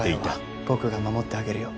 長屋は僕が守ってあげるよ。